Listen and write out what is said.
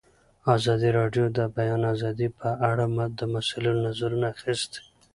ازادي راډیو د د بیان آزادي په اړه د مسؤلینو نظرونه اخیستي.